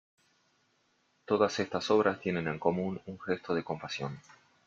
Todas estas obras tienen en común un gesto de compasión.